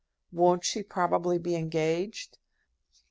"Won't she probably be engaged?"